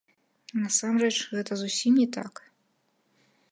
Насамрэч, гэта зусім не так.